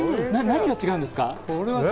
何が違うんですか？